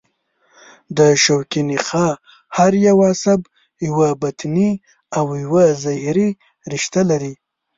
د شوکي نخاع هر یو عصب یوه بطني او یوه ظهري رشته لري.